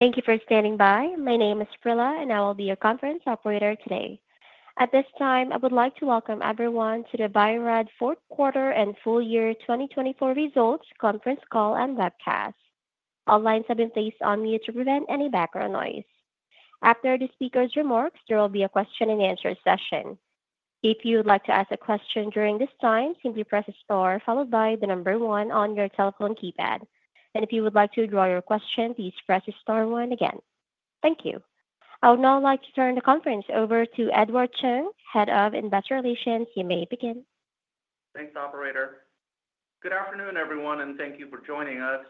Thank you for standing by. My name is Prilla, and I will be your conference operator today. At this time, I would like to welcome everyone to the Bio-Rad 4th Quarter and Full Year 2024 Results Conference Call and Webcast. All lines have been placed on mute to prevent any background noise. After the speaker's remarks, there will be a question-and-answer session. If you would like to ask a question during this time, simply press "Star" followed by the number one on your telephone keypad. And if you would like to withdraw your question, please press "Star" one again. Thank you. I would now like to turn the conference over to Edward Chung, Head of Investor Relations. You may begin. Thanks, Operator. Good afternoon, everyone, and thank you for joining us.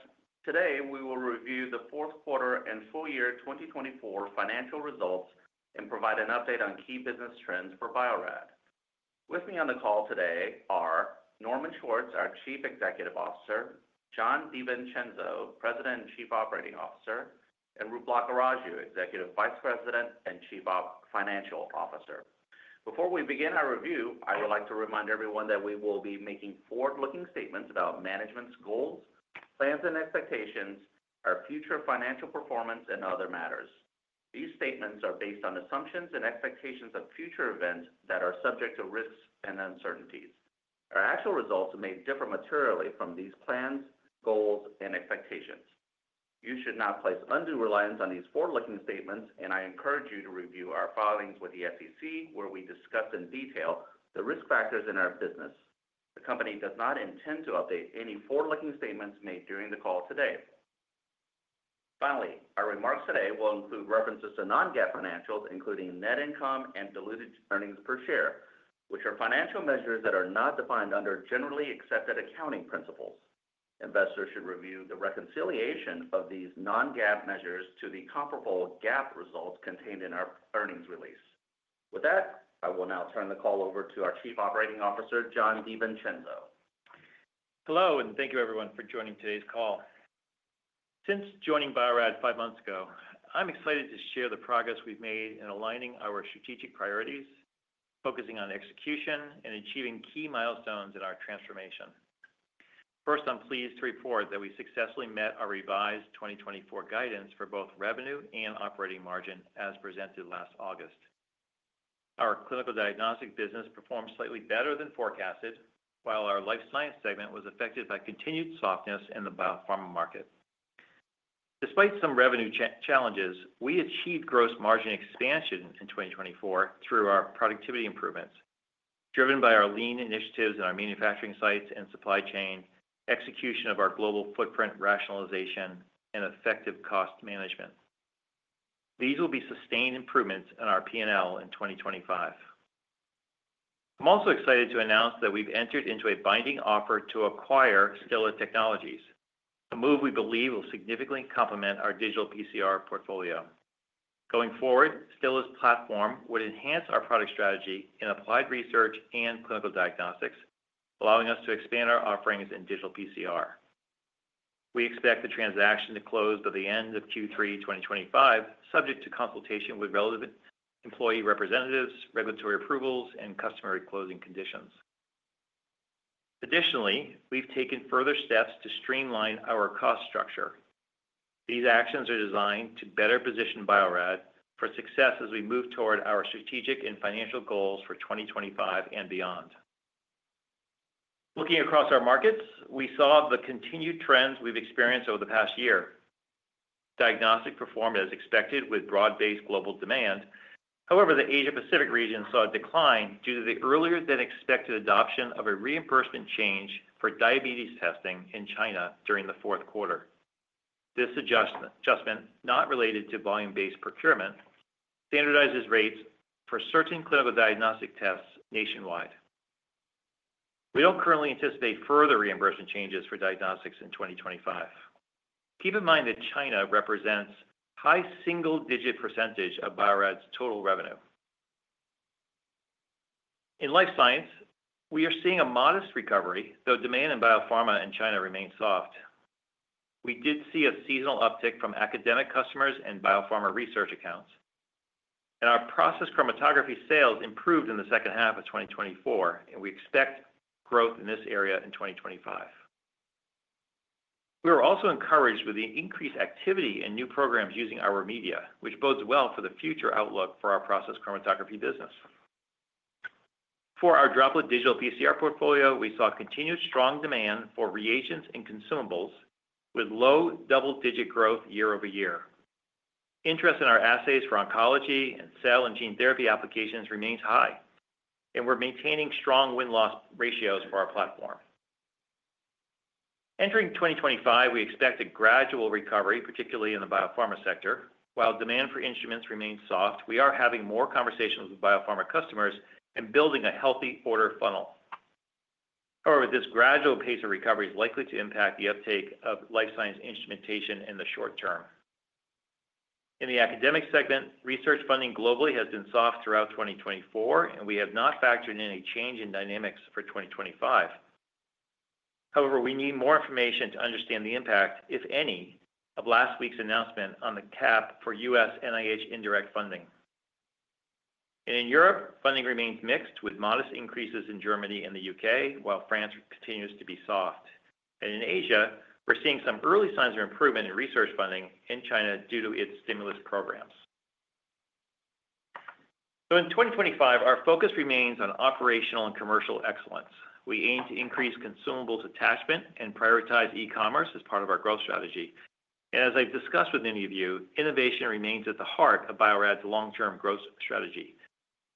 Today, we will review the 4th Quarter and Full Year 2024 financial results and provide an update on key business trends for Bio-Rad. With me on the call today are Norman Schwartz, our Chief Executive Officer, Jon DiVincenzo, President and Chief Operating Officer, and Roop Lakkaraju, Executive Vice President and Chief Financial Officer. Before we begin our review, I would like to remind everyone that we will be making forward-looking statements about management's goals, plans, and expectations, our future financial performance, and other matters. These statements are based on assumptions and expectations of future events that are subject to risks and uncertainties. Our actual results may differ materially from these plans, goals, and expectations. You should not place undue reliance on these forward-looking statements, and I encourage you to review our filings with the SEC, where we discuss in detail the risk factors in our business. The company does not intend to update any forward-looking statements made during the call today. Finally, our remarks today will include references to non-GAAP financials, including net income and diluted earnings per share, which are financial measures that are not defined under Generally Accepted Accounting Principles. Investors should review the reconciliation of these non-GAAP measures to the comparable GAAP results contained in our earnings release. With that, I will now turn the call over to our Chief Operating Officer, Jon DiVincenzo. Hello, and thank you, everyone, for joining today's call. Since joining Bio-Rad five months ago, I'm excited to share the progress we've made in aligning our strategic priorities, focusing on execution, and achieving key milestones in our transformation. First, I'm pleased to report that we successfully met our revised 2024 guidance for both revenue and operating margin as presented last August. Our clinical diagnostic business performed slightly better than forecasted, while our Life Science segment was affected by continued softness in the biopharma market. Despite some revenue challenges, we achieved gross margin expansion in 2024 through our productivity improvements, driven by our lean initiatives in our manufacturing sites and supply chain, execution of our global footprint rationalization, and effective cost management. These will be sustained improvements in our P&L in 2025. I'm also excited to announce that we've entered into a binding offer to acquire Stilla Technologies, a move we believe will significantly complement our digital PCR portfolio. Going forward, Stilla's platform would enhance our product strategy in applied research and clinical diagnostics, allowing us to expand our offerings in digital PCR. We expect the transaction to close by the end of Q3 2025, subject to consultation with relevant employee representatives, regulatory approvals, and customer closing conditions. Additionally, we've taken further steps to streamline our cost structure. These actions are designed to better position Bio-Rad for success as we move toward our strategic and financial goals for 2025 and beyond. Looking across our markets, we saw the continued trends we've experienced over the past year. Diagnostics performed as expected with broad-based global demand. However, the Asia-Pacific region saw a decline due to the earlier-than-expected adoption of a reimbursement change for diabetes testing in China during the fourth quarter. This adjustment, not related to volume-based procurement, standardizes rates for certain clinical diagnostic tests nationwide. We don't currently anticipate further reimbursement changes for diagnostics in 2025. Keep in mind that China represents a high single-digit % of Bio-Rad's total revenue. In life science, we are seeing a modest recovery, though demand in biopharma in China remains soft. We did see a seasonal uptick from academic customers and biopharma research accounts, and our process chromatography sales improved in the second half of 2024, and we expect growth in this area in 2025. We were also encouraged with the increased activity in new programs using our media, which bodes well for the future outlook for our process chromatography business. For our Droplet Digital PCR portfolio, we saw continued strong demand for reagents and consumables, with low double-digit growth year over year. Interest in our assays for oncology and cell and gene therapy applications remains high, and we're maintaining strong win-loss ratios for our platform. Entering 2025, we expect a gradual recovery, particularly in the biopharma sector. While demand for instruments remains soft, we are having more conversations with biopharma customers and building a healthy order funnel. However, this gradual pace of recovery is likely to impact the uptake of life science instrumentation in the short term. In the academic segment, research funding globally has been soft throughout 2024, and we have not factored in a change in dynamics for 2025. However, we need more information to understand the impact, if any, of last week's announcement on the cap for U.S. NIH indirect funding. In Europe, funding remains mixed, with modest increases in Germany and the U.K., while France continues to be soft. In Asia, we're seeing some early signs of improvement in research funding in China due to its stimulus programs. In 2025, our focus remains on operational and commercial excellence. We aim to increase consumables attachment and prioritize e-commerce as part of our growth strategy. As I've discussed with many of you, innovation remains at the heart of Bio-Rad's long-term growth strategy.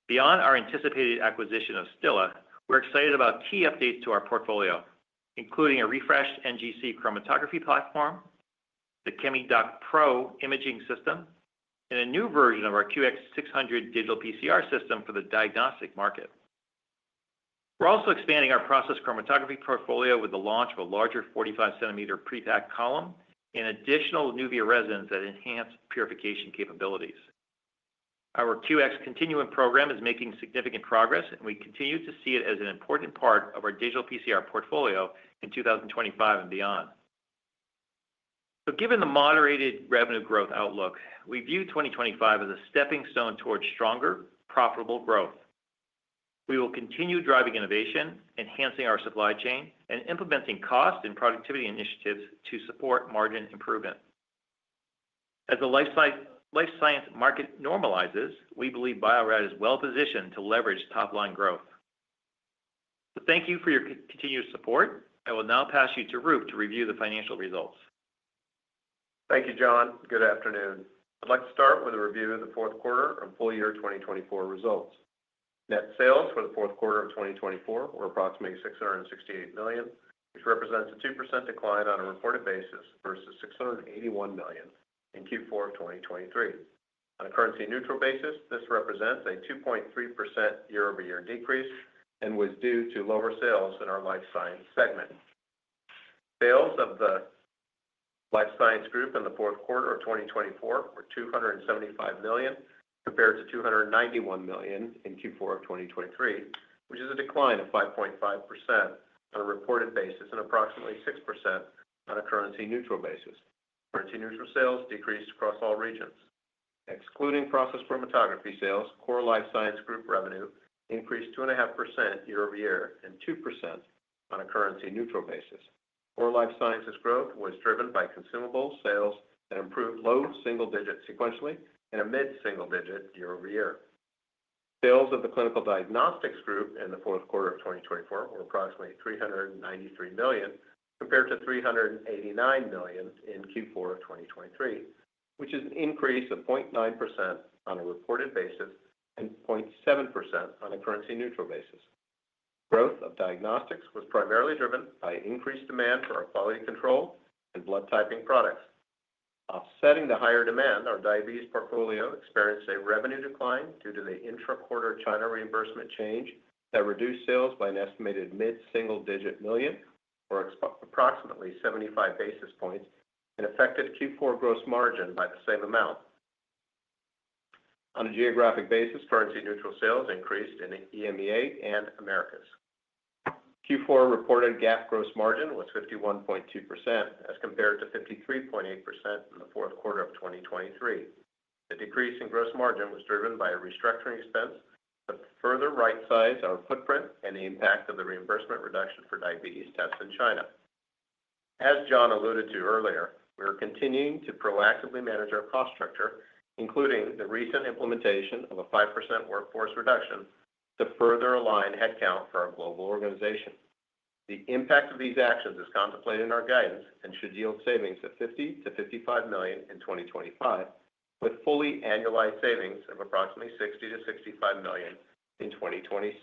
Beyond our anticipated acquisition of Stilla, we're excited about key updates to our portfolio, including a refreshed NGC chromatography platform, the ChemiDoc Pro imaging system, and a new version of our QX600 digital PCR system for the diagnostic market. We're also expanding our process chromatography portfolio with the launch of a larger 45 cm prepack column and additional Nuvia resins that enhance purification capabilities. Our QX Continuum program is making significant progress, and we continue to see it as an important part of our digital PCR portfolio in 2025 and beyond. So given the moderated revenue growth outlook, we view 2025 as a stepping stone toward stronger, profitable growth. We will continue driving innovation, enhancing our supply chain, and implementing cost and productivity initiatives to support margin improvement. As the life science market normalizes, we believe Bio-Rad is well-positioned to leverage top-line growth. So thank you for your continued support. I will now pass you to Roop to review the financial results. Thank you, Jon. Good afternoon. I'd like to start with a review of the 4th Quarter and Full Year 2024 results. Net sales for the 4th Quarter of 2024 were approximately $668 million, which represents a 2% decline on a reported basis versus $681 million in Q4 of 2023. On a currency-neutral basis, this represents a 2.3% year-over-year decrease and was due to lower sales in our life science segment. Sales of the Life Science Group in the 4th Quarter of 2024 were $275 million compared to $291 million in Q4 of 2023, which is a decline of 5.5% on a reported basis and approximately 6% on a currency-neutral basis. Currency-neutral sales decreased across all regions. Excluding process chromatography sales, core Life Science Group revenue increased 2.5% year-over-year and 2% on a currency-neutral basis. Core life sciences growth was driven by consumable sales that improved low single-digit sequentially and a mid-single-digit year-over-year. Sales of the Clinical Diagnostics Group in the 4th Quarter of 2024 were approximately $393 million compared to $389 million in Q4 of 2023, which is an increase of 0.9% on a reported basis and 0.7% on a currency-neutral basis. Growth of diagnostics was primarily driven by increased demand for our quality control and blood typing products. Offsetting the higher demand, our diabetes portfolio experienced a revenue decline due to the intra-quarter China reimbursement change that reduced sales by an estimated mid-single-digit million or approximately 75 basis points and affected Q4 gross margin by the same amount. On a geographic basis, currency-neutral sales increased in EMEA and Americas. Q4 reported GAAP gross margin was 51.2% as compared to 53.8% in the 4th Quarter of 2023. The decrease in gross margin was driven by a restructuring expense that further right-sized our footprint and the impact of the reimbursement reduction for diabetes tests in China. As Jon alluded to earlier, we are continuing to proactively manage our cost structure, including the recent implementation of a 5% workforce reduction to further align headcount for our global organization. The impact of these actions is contemplated in our guidance and should yield savings of $50-$55 million in 2025, with fully annualized savings of approximately $60-$65 million in 2026.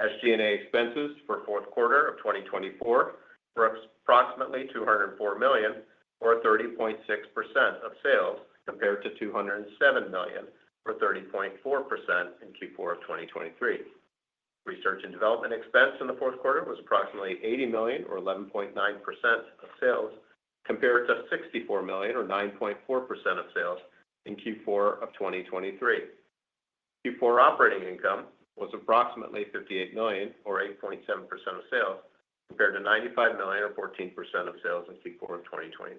SG&A expenses for the 4th Quarter of 2024 were approximately $204 million, or 30.6% of sales, compared to $207 million, or 30.4% in Q4 of 2023. Research and development expense in the 4th Quarter was approximately $80 million, or 11.9% of sales, compared to $64 million, or 9.4% of sales, in Q4 of 2023. Q4 operating income was approximately $58 million, or 8.7% of sales, compared to $95 million, or 14% of sales, in Q4 of 2023.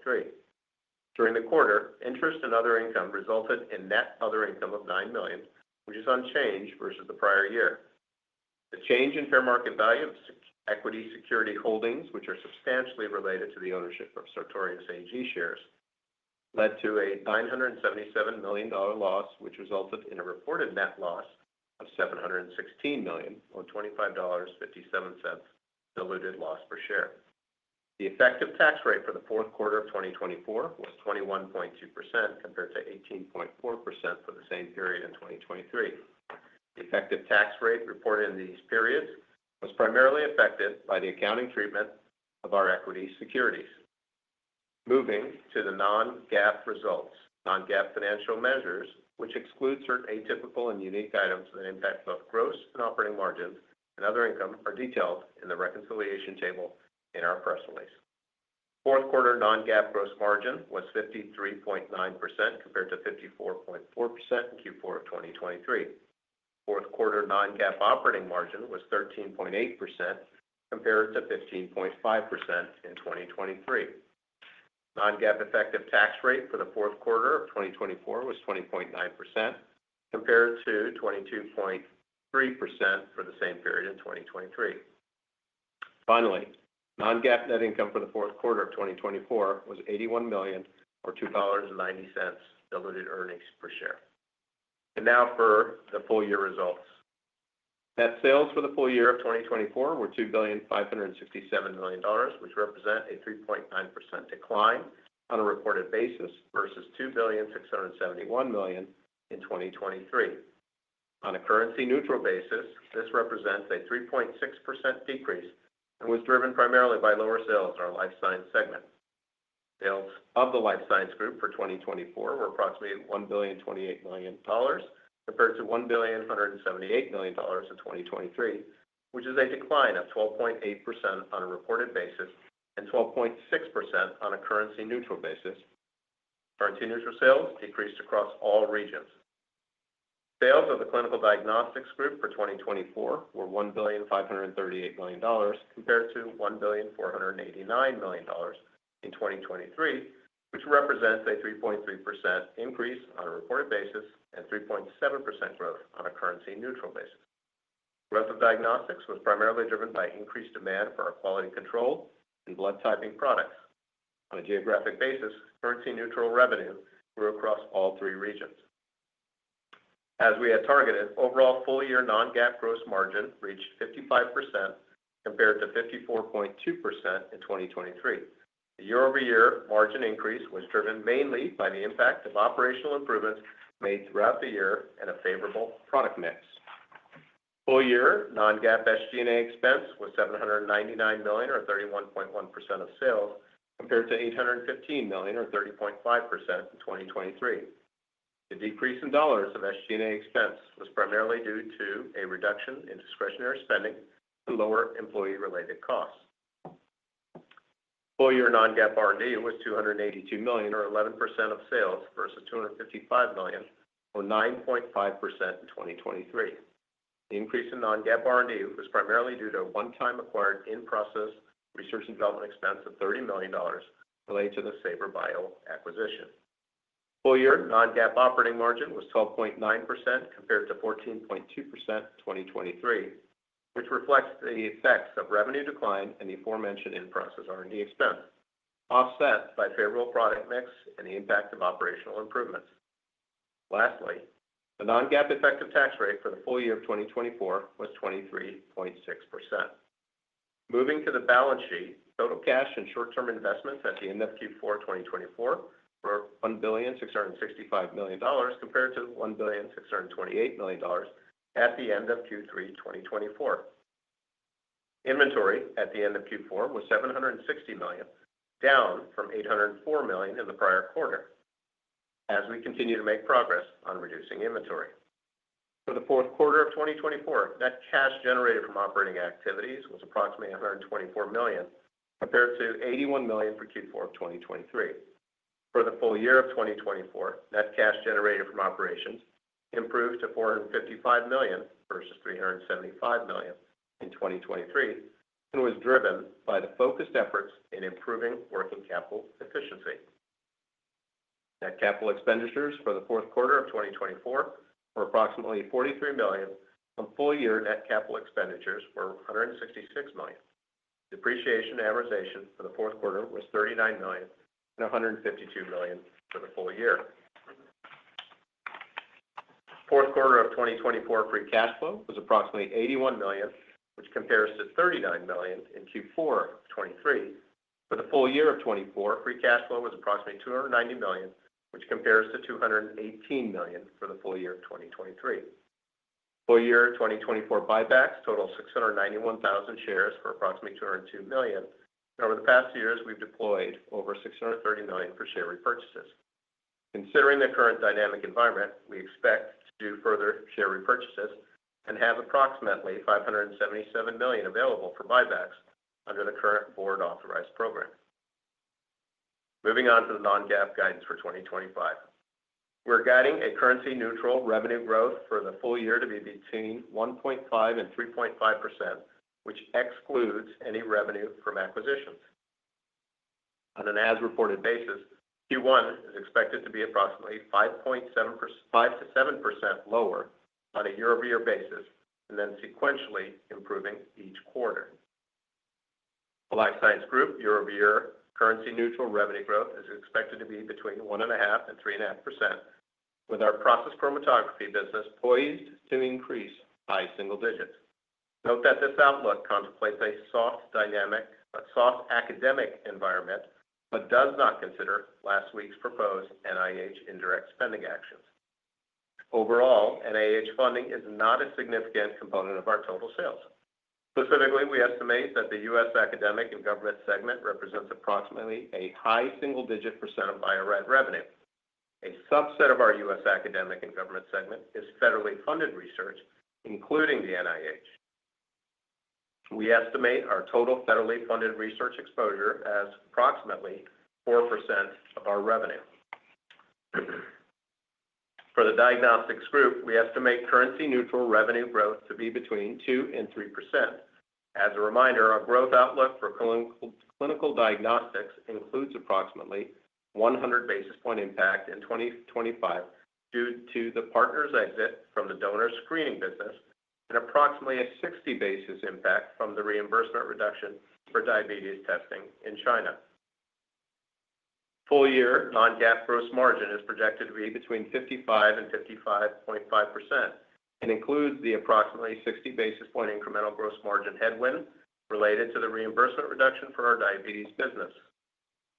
During the quarter, interest and other income resulted in net other income of $9 million, which is unchanged versus the prior year. The change in fair market value of equity security holdings, which are substantially related to the ownership of Sartorius AG shares, led to a $977 million loss, which resulted in a reported net loss of $716 million, or $25.57 diluted loss per share. The effective tax rate for the 4th Quarter of 2024 was 21.2% compared to 18.4% for the same period in 2023. The effective tax rate reported in these periods was primarily affected by the accounting treatment of our equity securities. Moving to the non-GAAP results, non-GAAP financial measures, which exclude certain atypical and unique items that impact both gross and operating margins and other income, are detailed in the reconciliation table in our press release. Fourth quarter non-GAAP gross margin was 53.9% compared to 54.4% in Q4 of 2023. Fourth quarter non-GAAP operating margin was 13.8% compared to 15.5% in 2023. Non-GAAP effective tax rate for the fourth quarter of 2024 was 20.9% compared to 22.3% for the same period in 2023. Finally, non-GAAP net income for the fourth quarter of 2024 was $81 million, or $2.90 diluted earnings per share. And now for the full year results. Net sales for the full year of 2024 were $2,567 million, which represent a 3.9% decline on a reported basis versus $2,671 million in 2023. On a currency-neutral basis, this represents a 3.6% decrease and was driven primarily by lower sales in our life science segment. Sales of the life science group for 2024 were approximately $1,028 million compared to $1,178 million in 2023, which is a decline of 12.8% on a reported basis and 12.6% on a currency-neutral basis. Currency-neutral sales decreased across all regions. Sales of the clinical diagnostics group for 2024 were $1,538 million compared to $1,489 million in 2023, which represents a 3.3% increase on a reported basis and 3.7% growth on a currency-neutral basis. Growth of diagnostics was primarily driven by increased demand for our quality control and blood typing products. On a geographic basis, currency-neutral revenue grew across all three regions. As we had targeted, overall full year non-GAAP gross margin reached 55% compared to 54.2% in 2023. The year-over-year margin increase was driven mainly by the impact of operational improvements made throughout the year and a favorable product mix. Full year non-GAAP SG&A expense was $799 million, or 31.1% of sales, compared to $815 million, or 30.5% in 2023. The decrease in dollars of SG&A expense was primarily due to a reduction in discretionary spending and lower employee-related costs. Full year non-GAAP R&D was $282 million, or 11% of sales, versus $255 million, or 9.5% in 2023. The increase in non-GAAP R&D was primarily due to a one-time acquired in-process research and development expense of $30 million related to the Saber Bio acquisition. Full year non-GAAP operating margin was 12.9% compared to 14.2% in 2023, which reflects the effects of revenue decline and the aforementioned in-process R&D expense, offset by favorable product mix and the impact of operational improvements. Lastly, the Non-GAAP effective tax rate for the full year of 2024 was 23.6%. Moving to the balance sheet, total cash and short-term investments at the end of Q4 2024 were $1,665 million compared to $1,628 million at the end of Q3 2024. Inventory at the end of Q4 was $760 million, down from $804 million in the prior quarter, as we continue to make progress on reducing inventory. For the 4th Quarter of 2024, net cash generated from operating activities was approximately $124 million compared to $81 million for Q4 of 2023. For the full year of 2024, net cash generated from operations improved to $455 million versus $375 million in 2023 and was driven by the focused efforts in improving working capital efficiency. Net capital expenditures for the 4th Quarter of 2024 were approximately $43 million, and full year net capital expenditures were $166 million. Depreciation amortization for the 4th Quarter was $39 million and $152 million for the full year. Fourth quarter of 2024 free cash flow was approximately $81 million, which compares to $39 million in Q4 of 2023. For the full year of 2024, free cash flow was approximately $290 million, which compares to $218 million for the full year of 2023. Full year 2024 buybacks totaled 691,000 shares for approximately $202 million, and over the past years, we've deployed over $630 million for share repurchases. Considering the current dynamic environment, we expect to do further share repurchases and have approximately $577 million available for buybacks under the current board-authorized program. Moving on to the non-GAAP guidance for 2025. We're guiding a currency-neutral revenue growth for the full year to be between 1.5% and 3.5%, which excludes any revenue from acquisitions. On an as-reported basis, Q1 is expected to be approximately 5.7% lower on a year-over-year basis and then sequentially improving each quarter. The life science group, year-over-year currency-neutral revenue growth is expected to be between 1.5% and 3.5%, with our process chromatography business poised to increase by single digits. Note that this outlook contemplates a soft dynamic, a soft academic environment, but does not consider last week's proposed NIH indirect spending actions. Overall, NIH funding is not a significant component of our total sales. Specifically, we estimate that the U.S. academic and government segment represents approximately a high single-digit % of IRR revenue. A subset of our U.S. academic and government segment is federally funded research, including the NIH. We estimate our total federally funded research exposure as approximately 4% of our revenue. For the diagnostics group, we estimate currency-neutral revenue growth to be between 2% and 3%. As a reminder, our growth outlook for clinical diagnostics includes approximately 100 basis point impact in 2025 due to the partner's exit from the donor screening business and approximately a 60 basis point impact from the reimbursement reduction for diabetes testing in China. Full year non-GAAP gross margin is projected to be between 55% and 55.5% and includes the approximately 60 basis point incremental gross margin headwind related to the reimbursement reduction for our diabetes business.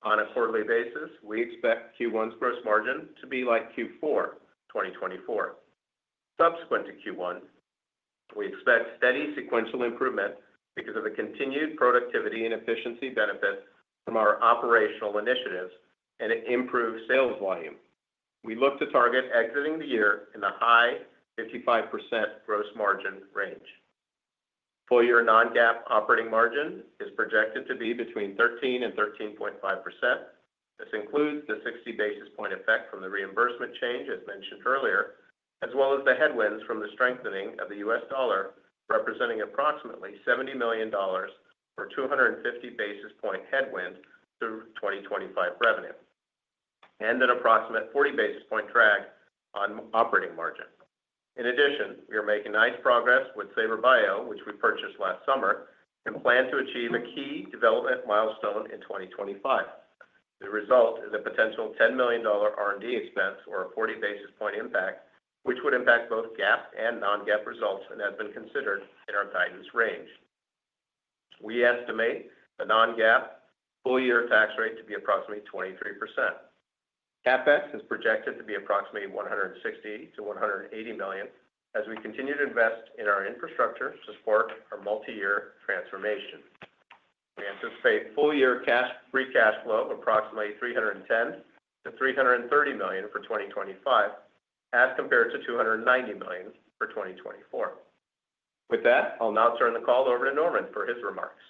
On a quarterly basis, we expect Q1's gross margin to be like Q4 2024. Subsequent to Q1, we expect steady sequential improvement because of the continued productivity and efficiency benefits from our operational initiatives and improved sales volume. We look to target exiting the year in the high 55% gross margin range. Full year non-GAAP operating margin is projected to be between 13% and 13.5%. This includes the 60 basis point effect from the reimbursement change, as mentioned earlier, as well as the headwinds from the strengthening of the U.S. dollar, representing approximately $70 million or 250 basis point headwind through 2025 revenue, and an approximate 40 basis point drag on operating margin. In addition, we are making nice progress with Saber Bio, which we purchased last summer and plan to achieve a key development milestone in 2025. The result is a potential $10 million R&D expense or a 40 basis point impact, which would impact both GAAP and non-GAAP results and has been considered in our guidance range. We estimate the non-GAAP full year tax rate to be approximately 23%. CapEx is projected to be approximately $160 million-$180 million as we continue to invest in our infrastructure to support our multi-year transformation. We anticipate full year free cash flow of approximately $310 million-$330 million for 2025, as compared to $290 million for 2024. With that, I'll now turn the call over to Norman for his remarks.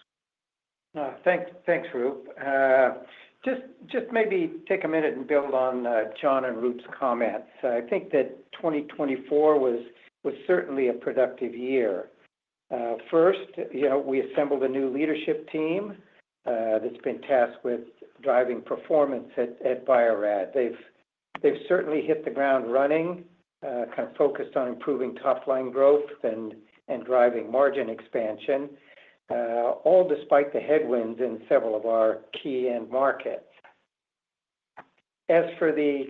Thanks, Roop. Just maybe take a minute and build on Jon and Roop's comments. I think that 2024 was certainly a productive year. First, we assembled a new leadership team that's been tasked with driving performance at Bio-Rad. They've certainly hit the ground running, kind of focused on improving top-line growth and driving margin expansion, all despite the headwinds in several of our key end markets. As for the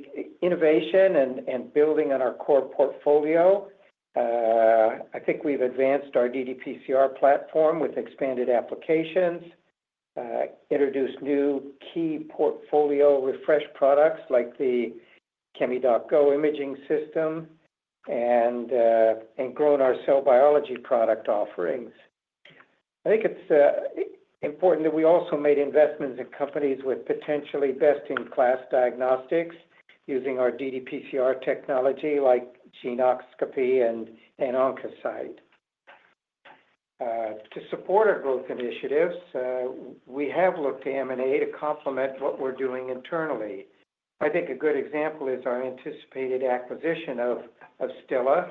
innovation and building on our core portfolio, I think we've advanced our ddPCR platform with expanded applications, introduced new key portfolio refresh products like the ChemiDoc Go imaging system, and grown our cell biology product offerings. I think it's important that we also made investments in companies with potentially best-in-class diagnostics using our ddPCR technology like Geneoscopy and Oncocyte. To support our growth initiatives, we have looked to M&A to complement what we're doing internally. I think a good example is our anticipated acquisition of Stilla,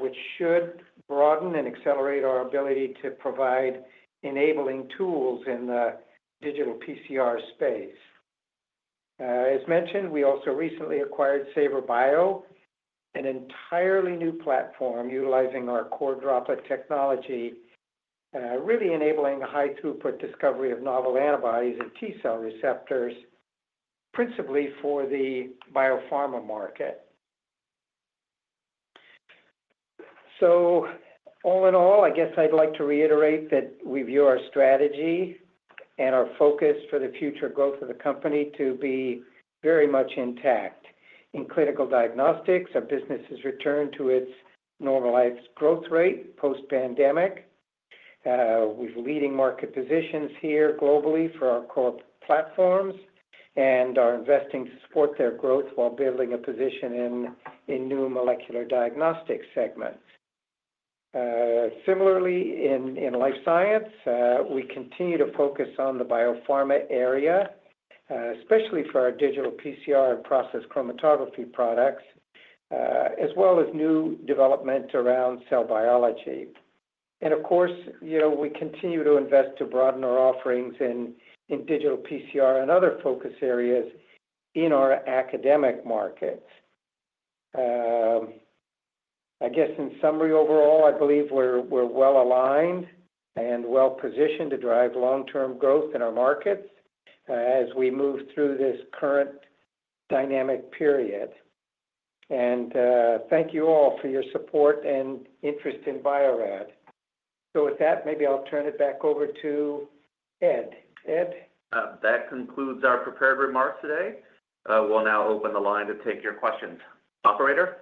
which should broaden and accelerate our ability to provide enabling tools in the digital PCR space. As mentioned, we also recently acquired Saber Bio, an entirely new platform utilizing our core droplet technology, really enabling a high-throughput discovery of novel antibodies and T cell receptors, principally for the biopharma market. So all in all, I guess I'd like to reiterate that we view our strategy and our focus for the future growth of the company to be very much intact. In clinical diagnostics, our business has returned to its normalized growth rate post-pandemic. We have leading market positions here globally for our core platforms, and our investing supports their growth while building a position in new molecular diagnostic segments. Similarly, in life science, we continue to focus on the biopharma area, especially for our digital PCR and process chromatography products, as well as new development around cell biology. And of course, we continue to invest to broaden our offerings in digital PCR and other focus areas in our academic markets. I guess in summary, overall, I believe we're well aligned and well positioned to drive long-term growth in our markets as we move through this current dynamic period. And thank you all for your support and interest in Bio-Rad. So with that, maybe I'll turn it back over to Ed. Ed. That concludes our prepared remarks today. We'll now open the line to take your questions. Operator?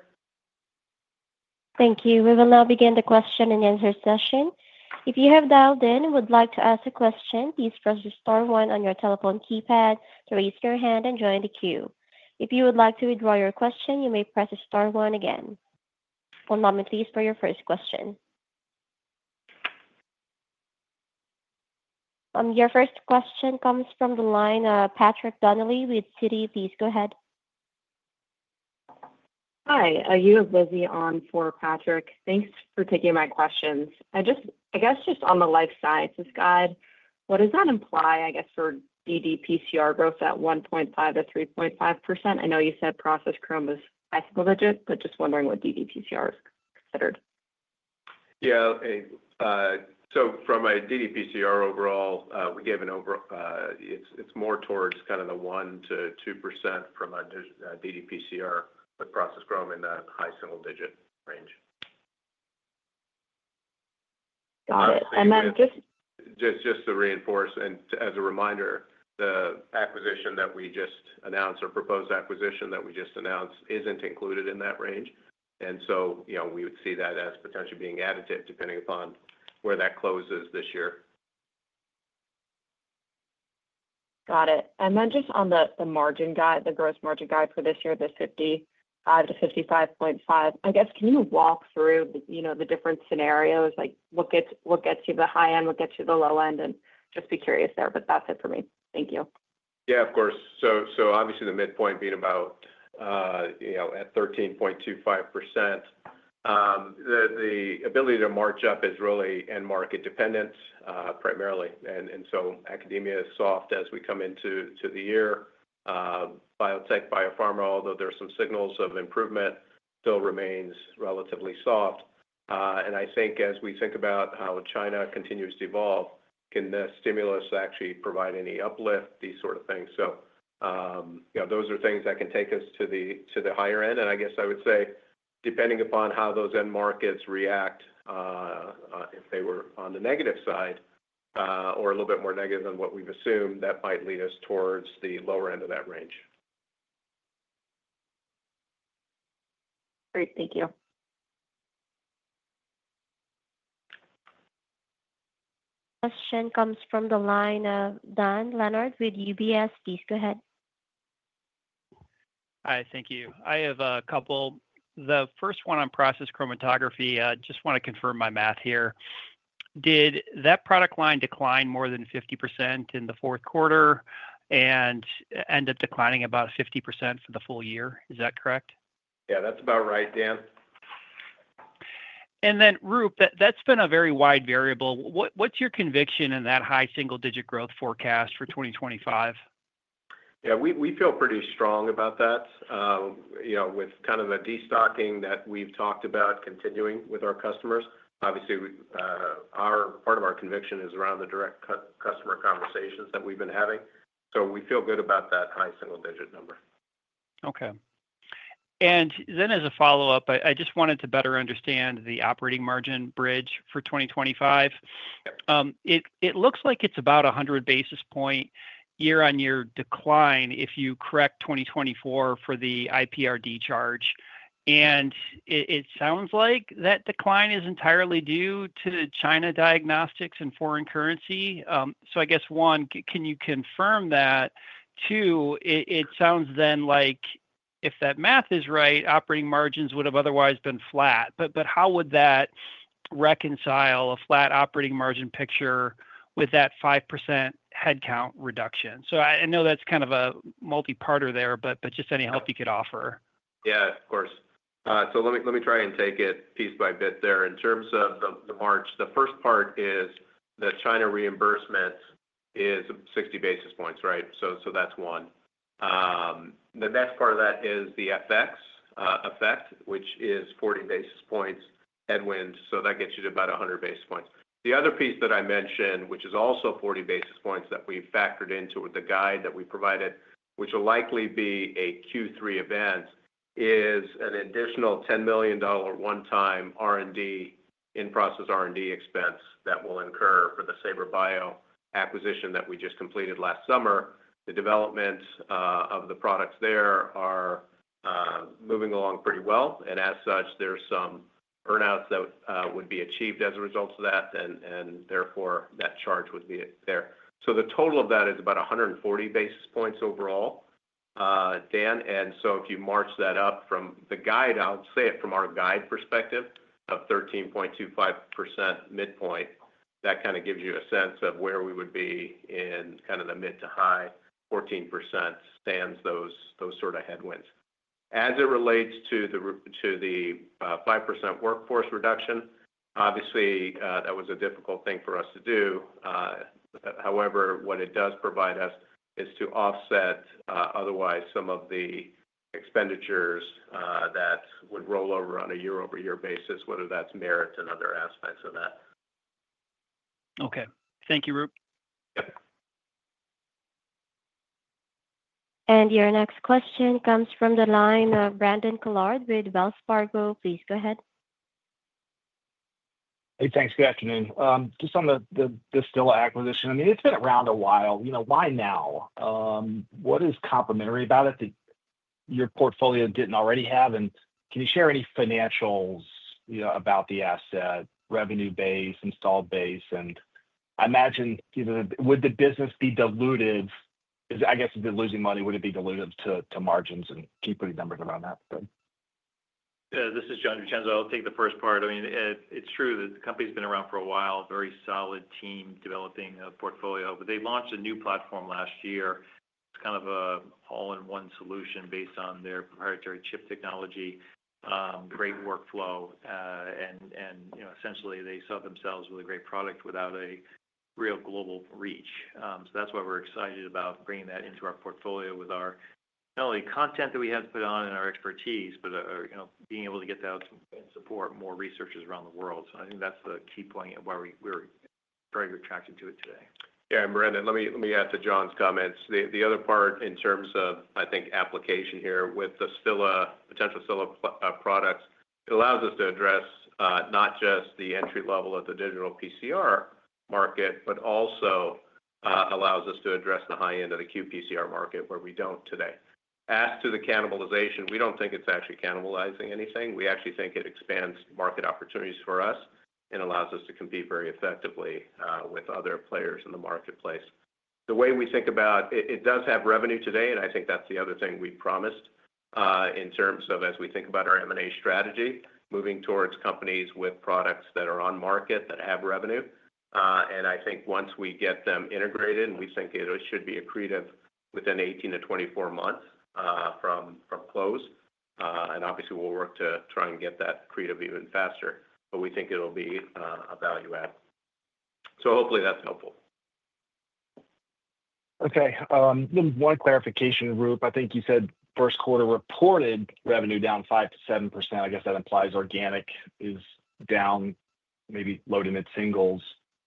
Thank you. We will now begin the question and answer session. If you have dialed in and would like to ask a question, please press the star one on your telephone keypad to raise your hand and join the queue. If you would like to withdraw your question, you may press the star one again. For a moment, please, for your first question. Your first question comes from the line of Patrick Donnelly with Citi. Please go ahead. Hi. You have Lizzy on for Patrick. Thanks for taking my questions. I guess just on the life sciences guide, what does that imply, I guess, for ddPCR growth at 1.5%-3.5%? I know you said process chromatography is a high single digit, but just wondering what ddPCR is considered. Yeah. So from a ddPCR overall, we gave an overall it's more towards kind of the 1%-2% from our ddPCR with process chromatography in the high single-digit range. Got it. Just to reinforce, and as a reminder, the acquisition that we just announced, or proposed acquisition that we just announced, isn't included in that range. And so we would see that as potentially being additive, depending upon where that closes this year. Got it. And then just on the margin guide, the gross margin guide for this year, the 55%-55.5%, I guess, can you walk through the different scenarios? What gets you to the high end? What gets you to the low end? And just be curious there, but that's it for me. Thank you. Yeah, of course. So obviously, the midpoint being about at 13.25%. The ability to march up is really end market dependent primarily. And so academia is soft as we come into the year. Biotech, biopharma, although there are some signals of improvement, still remains relatively soft. And I think as we think about how China continues to evolve, can the stimulus actually provide any uplift, these sort of things? So those are things that can take us to the higher end. And I guess I would say, depending upon how those end markets react, if they were on the negative side or a little bit more negative than what we've assumed, that might lead us towards the lower end of that range. Great. Thank you. Question comes from the line of Dan Leonard with UBS. Please go ahead. Hi. Thank you. I have a couple. The first one on process chromatography, I just want to confirm my math here. Did that product line decline more than 50% in the fourth quarter and end up declining about 50% for the full year? Is that correct? Yeah, that's about right, Dan. And then, Roop, that's been a very wide variable. What's your conviction in that high single-digit growth forecast for 2025? Yeah, we feel pretty strong about that with kind of the destocking that we've talked about continuing with our customers. Obviously, part of our conviction is around the direct customer conversations that we've been having. So we feel good about that high single-digit number. Okay. And then as a follow-up, I just wanted to better understand the operating margin bridge for 2025. It looks like it's about 100 basis points year-on-year decline if you correct 2024 for the IPR&D charge. And it sounds like that decline is entirely due to China diagnostics and foreign currency. So I guess, one, can you confirm that? Two, it sounds then like if that math is right, operating margins would have otherwise been flat. But how would that reconcile a flat operating margin picture with that 5% headcount reduction? So I know that's kind of a multi-parter there, but just any help you could offer. Yeah, of course. So let me try and take it piece by bit there. In terms of the margin, the first part is the China reimbursement is 60 basis points, right? So that's one. The next part of that is the FX effect, which is 40 basis points headwind. So that gets you to about 100 basis points. The other piece that I mentioned, which is also 40 basis points that we factored into the guide that we provided, which will likely be a Q3 event, is an additional $10 million one-time in-process R&D expense that will incur for the Saber Bio acquisition that we just completed last summer. The development of the products there are moving along pretty well. And as such, there's some earnouts that would be achieved as a result of that, and therefore that charge would be there. So the total of that is about 140 basis points overall, Dan. And so if you march that up from the guide, I'll say it from our guide perspective of 13.25% midpoint, that kind of gives you a sense of where we would be in kind of the mid to high 14% stands, those sort of headwinds. As it relates to the 5% workforce reduction, obviously, that was a difficult thing for us to do. However, what it does provide us is to offset otherwise some of the expenditures that would roll over on a year-over-year basis, whether that's merit and other aspects of that. Okay. Thank you, Roop. Yep. And your next question comes from the line of Brandon Couillard with Wells Fargo. Please go ahead. Hey, thanks. Good afternoon. Just on the Stilla acquisition, I mean, it's been around a while. Why now? What is complementary about it that your portfolio didn't already have? And can you share any financials about the asset, revenue base, installed base? And I imagine would the business be diluted? I guess if they're losing money, would it be diluted to margins and keep putting numbers around that? This is Jon DiVincenzo. I'll take the first part. I mean, it's true that the company's been around for a while, very solid team developing a portfolio. But they launched a new platform last year. It's kind of an all-in-one solution based on their proprietary chip technology, great workflow. And essentially, they saw themselves with a great product without a real global reach. So that's why we're excited about bringing that into our portfolio with our not only content that we have put on and our expertise, but being able to get that and support more researchers around the world. So I think that's the key point of why we're very attracted to it today. Yeah, and Brandon, let me add to Jon's comments. The other part in terms of, I think, application here with the Stilla, potential Stilla products, it allows us to address not just the entry level of the digital PCR market, but also allows us to address the high end of the QPCR market where we don't today. As to the cannibalization, we don't think it's actually cannibalizing anything. We actually think it expands market opportunities for us and allows us to compete very effectively with other players in the marketplace. The way we think about it, it does have revenue today, and I think that's the other thing we promised in terms of, as we think about our M&A strategy, moving towards companies with products that are on market that have revenue, and I think once we get them integrated, we think it should be accretive within 18 to 24 months from close. And obviously, we'll work to try and get that creative even faster, but we think it'll be a value add. So hopefully that's helpful. Okay. One clarification, Roop. I think you said first quarter reported revenue down 5%-7%. I guess that implies organic is down, maybe low to mid singles.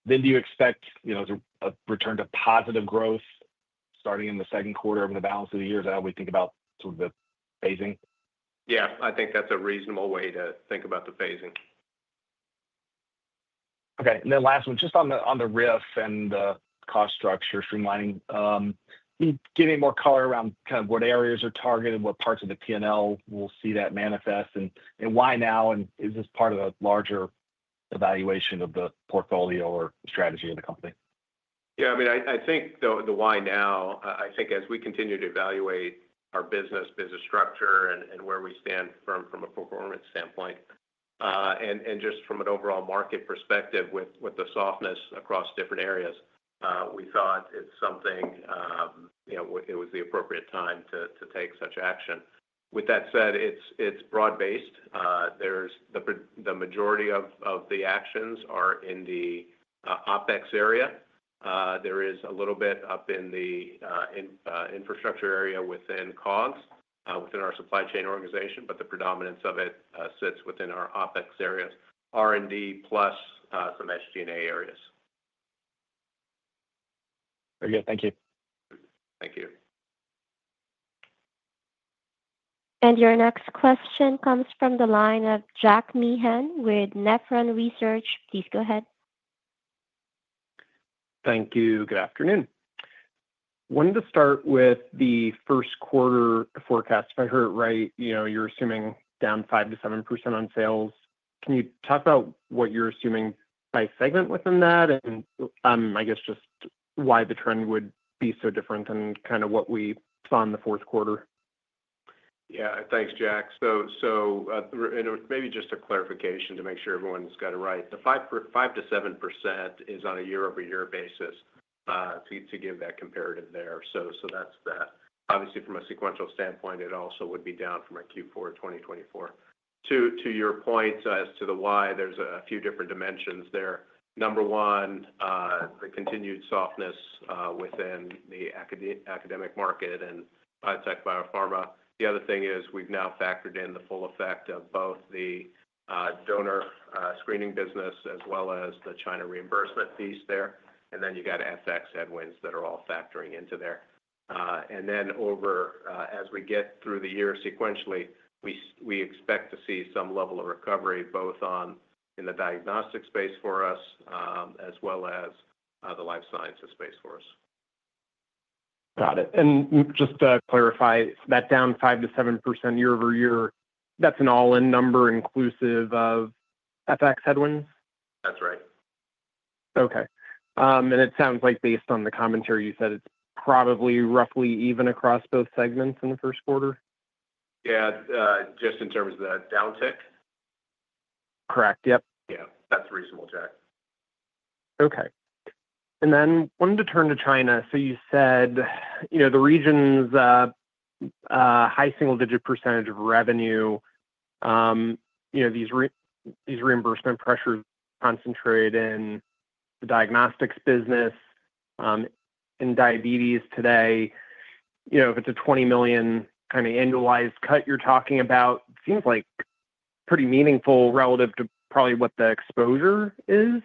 Then do you expect a return to positive growth starting in the second quarter over the balance of the year? Is that how we think about sort of the phasing? Yeah, I think that's a reasonable way to think about the phasing. Okay. And then last one, just on the RIF and the cost structure streamlining, getting more color around kind of what areas are targeted, what parts of the P&L we'll see that manifest, and why now? And is this part of a larger evaluation of the portfolio or strategy of the company? Yeah. I mean, I think the why now, I think as we continue to evaluate our business, business structure, and where we stand from a performance standpoint, and just from an overall market perspective with the softness across different areas, we thought it's something it was the appropriate time to take such action. With that said, it's broad-based. The majority of the actions are in the OPEX area. There is a little bit up in the infrastructure area within COGS, within our supply chain organization, but the predominance of it sits within our OPEX areas, R&D plus some SG&A areas. Very good. Thank you. Thank you. And your next question comes from the line of Jack Meehan with Nephron Research. Please go ahead. Thank you. Good afternoon. Wanted to start with the first quarter forecast. If I heard it right, you're assuming down 5%-7% on sales. Can you talk about what you're assuming by segment within that? And I guess just why the trend would be so different than kind of what we saw in the fourth quarter. Yeah. Thanks, Jack. So maybe just a clarification to make sure everyone's got it right. The 5%-7% is on a year-over-year basis to give that comparative there. So that's that. Obviously, from a sequential standpoint, it also would be down from a Q4 2024. To your point as to the why, there's a few different dimensions there. Number one, the continued softness within the academic market and biotech, biopharma. The other thing is we've now factored in the full effect of both the donor screening business as well as the China reimbursement piece there. And then you've got FX headwinds that are all factoring into there. And then over, as we get through the year sequentially, we expect to see some level of recovery both in the diagnostic space for us as well as the life sciences space for us. Got it. And just to clarify, that down 5%-7% year-over-year, that's an all-in number inclusive of FX headwinds? That's right. Okay. And it sounds like based on the commentary you said, it's probably roughly even across both segments in the first quarter? Yeah, just in terms of the downtick? Correct. Yep. Yeah. That's reasonable, Jack. Okay. And then wanted to turn to China. So you said the region's high single-digit percentage of revenue, these reimbursement pressures concentrate in the diagnostics business, in diabetes today. If it's a $20 million kind of annualized cut you're talking about, it seems like pretty meaningful relative to probably what the exposure is.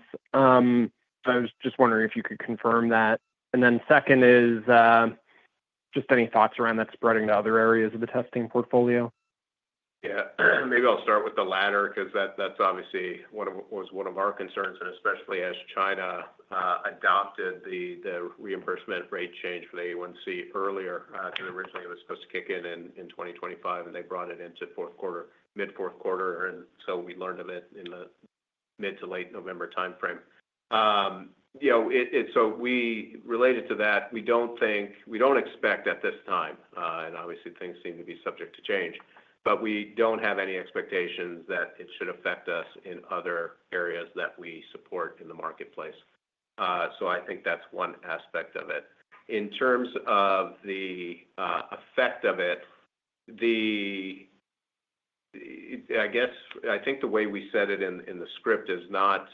I was just wondering if you could confirm that. And then second is just any thoughts around that spreading to other areas of the testing portfolio? Yeah. Maybe I'll start with the latter because that's obviously one of our concerns, and especially as China adopted the reimbursement rate change for the A1C earlier. Originally, it was supposed to kick in in 2025, and they brought it into mid-fourth quarter. And so we learned of it in the mid to late November timeframe. So related to that, we don't expect at this time, and obviously things seem to be subject to change, but we don't have any expectations that it should affect us in other areas that we support in the marketplace. So I think that's one aspect of it. In terms of the effect of it, I think the way we said it in the script is not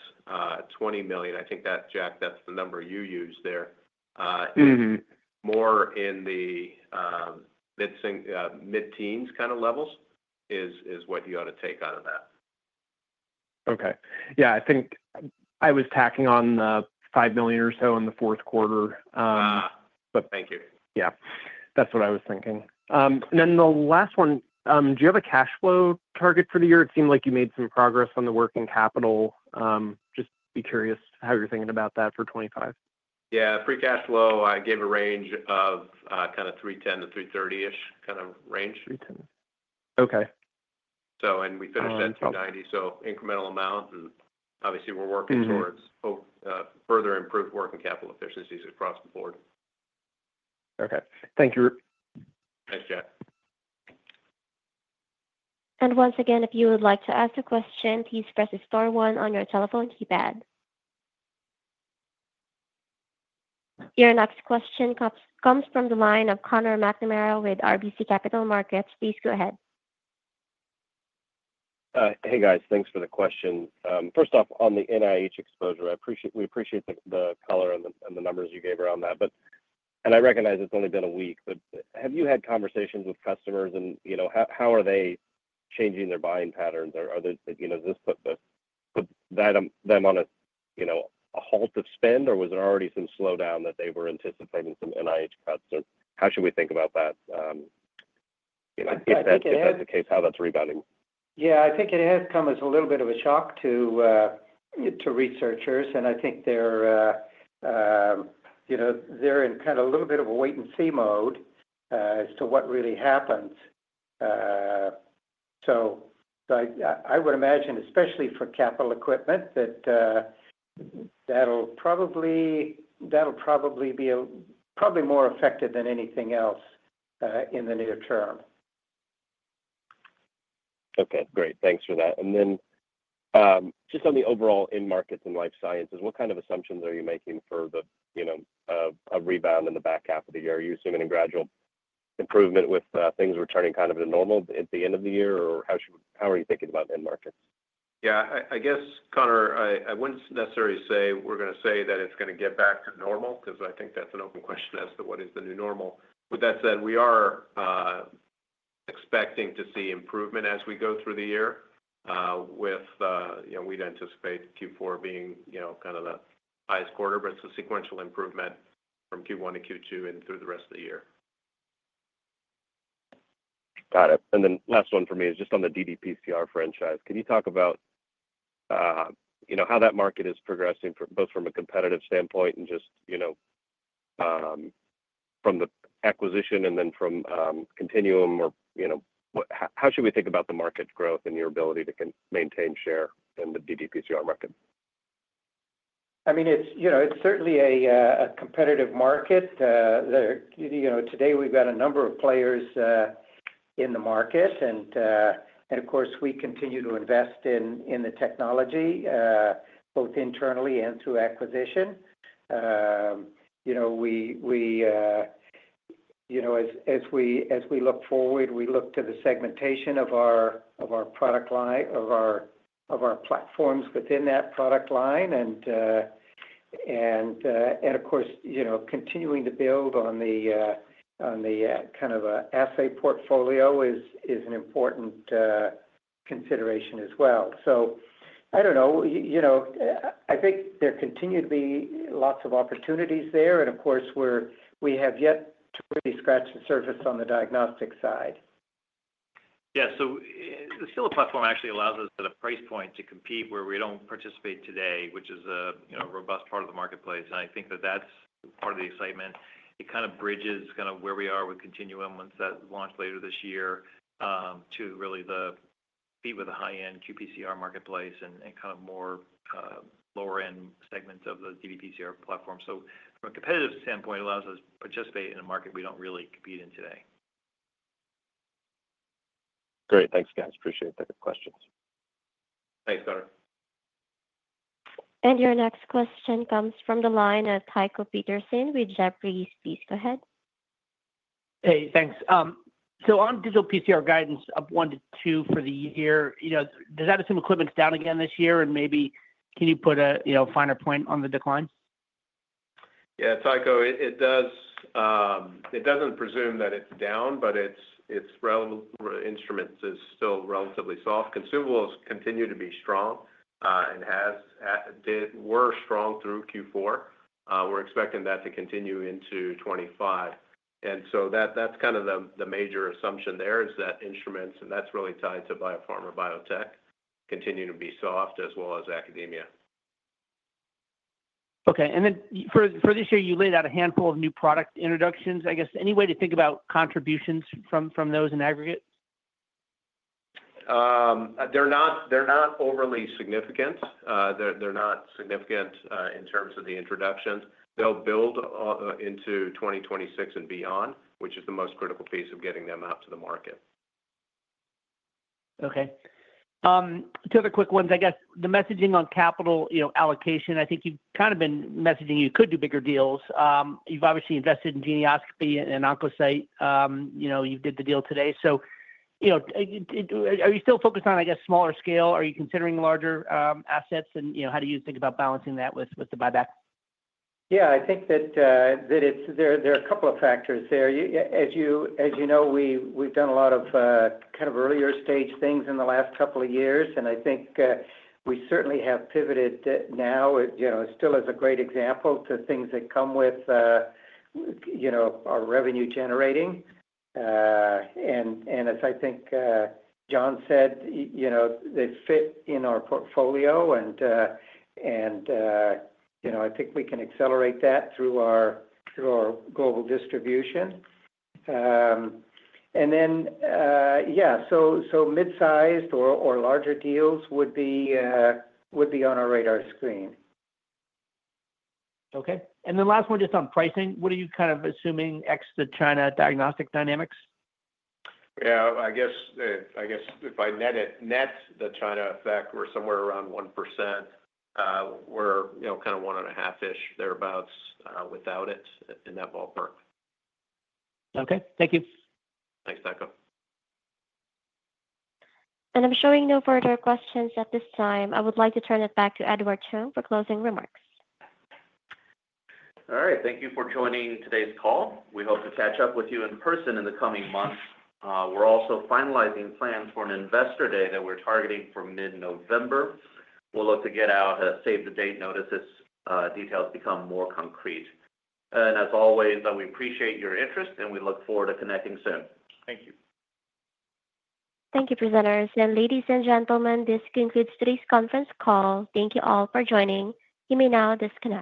20 million. I think that, Jack, that's the number you used there. More in the mid-teens kind of levels is what you ought to take out of that. Okay. Yeah. I think I was tacking on the $5 million or so in the fourth quarter. Thank you. Yeah. That's what I was thinking. And then the last one, do you have a cash flow target for the year? It seemed like you made some progress on the working capital. Just be curious how you're thinking about that for 2025. Yeah. Pre-cash flow, I gave a range of kind of $310 million-$330 million-ish kind of range. Okay. And we finished at $290 million. So incremental amounts, and obviously we're working towards further improved working capital efficiencies across the board. Okay. Thank you. Thanks, Jack. And once again, if you would like to ask a question, please press star one on your telephone keypad. Your next question comes from the line of Connor McNamara with RBC Capital Markets. Please go ahead. Hey, guys. Thanks for the question. First off, on the NIH exposure, we appreciate the color and the numbers you gave around that, and I recognize it's only been a week, but have you had conversations with customers, and how are they changing their buying patterns? Or does this put them on a halt of spend, or was there already some slowdown that they were anticipating some NIH cuts? Or how should we think about that? If that's the case, how that's rebounding. Yeah. I think it has come as a little bit of a shock to researchers, and I think they're in kind of a little bit of a wait-and-see mode as to what really happens. So I would imagine, especially for capital equipment, that'll probably be more affected than anything else in the near term. Okay. Great. Thanks for that. And then just on the overall in-markets and life sciences, what kind of assumptions are you making for a rebound in the back half of the year? Are you assuming a gradual improvement with things returning kind of to normal at the end of the year, or how are you thinking about in-markets? Yeah. I guess, Connor, I wouldn't necessarily say we're going to say that it's going to get back to normal because I think that's an open question as to what is the new normal. With that said, we are expecting to see improvement as we go through the year with we'd anticipate Q4 being kind of the highest quarter, but it's a sequential improvement from Q1 to Q2 and through the rest of the year. Got it, and then last one for me is just on the ddPCR franchise. Can you talk about how that market is progressing both from a competitive standpoint and just from the acquisition and then from continuum? How should we think about the market growth and your ability to maintain share in the ddPCR market? I mean, it's certainly a competitive market. Today, we've got a number of players in the market, and of course, we continue to invest in the technology both internally and through acquisition. As we look forward, we look to the segmentation of our product line, of our platforms within that product line. And of course, continuing to build on the kind of assay portfolio is an important consideration as well. So I don't know. I think there continue to be lots of opportunities there. And of course, we have yet to really scratch the surface on the diagnostic side. Yeah. So the Stilla platform actually allows us at a price point to compete where we don't participate today, which is a robust part of the marketplace. And I think that that's part of the excitement. It kind of bridges kind of where we are with Continuum once that launch later this year to really fit with the high-end QPCR marketplace and kind of more lower-end segments of the ddPCR platform. So from a competitive standpoint, it allows us to participate in a market we don't really compete in today. Great. Thanks, guys. Appreciate the questions. Thanks, Connor. Your next question comes from the line of Tycho Peterson with Jefferies. Please go ahead. Hey, thanks. So on digital PCR guidance of 1 to 2 for the year, does that assume equipment's down again this year? And maybe can you put a finer point on the decline? Yeah. Tycho, it doesn't presume that it's down, but its relevant instruments are still relatively soft. Consumables continue to be strong and were strong through Q4. We're expecting that to continue into 2025. And so that's kind of the major assumption there is that instruments, and that's really tied to biopharma biotech, continue to be soft as well as academia. Okay. And then for this year, you laid out a handful of new product introductions. I guess any way to think about contributions from those in aggregate? They're not overly significant. They're not significant in terms of the introductions. They'll build into 2026 and beyond, which is the most critical piece of getting them out to the market. Okay. Two other quick ones. I guess the messaging on capital allocation, I think you've kind of been messaging you could do bigger deals. You've obviously invested in Geneoscopy and Oncocyte. You did the deal today. So are you still focused on, I guess, smaller scale? Are you considering larger assets? And how do you think about balancing that with the buyback? Yeah. I think that there are a couple of factors there. As you know, we've done a lot of kind of earlier stage things in the last couple of years, and I think we certainly have pivoted now. It still is a great example to things that come with our revenue generating. As I think John said, they fit in our portfolio, and I think we can accelerate that through our global distribution. And then, yeah, so mid-sized or larger deals would be on our radar screen. Okay. And then last one, just on pricing, what are you kind of assuming FX to China diagnostic dynamics? Yeah. I guess if I net the China effect, we're somewhere around 1%. We're kind of one and a half-ish, thereabouts, without it in that ballpark. Okay. Thank you. Thanks, Tycho. And I'm showing no further questions at this time. I would like to turn it back to Edward Chung for closing remarks. All right. Thank you for joining today's call. We hope to catch up with you in person in the coming months. We're also finalizing plans for an investor day that we're targeting for mid-November. We'll look to get out save-the-date notice as details become more concrete. And as always, we appreciate your interest, and we look forward to connecting soon. Thank you. Thank you, presenters. And ladies and gentlemen, this concludes today's conference call. Thank you all for joining. You may now disconnect.